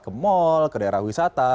ke mall ke daerah wisata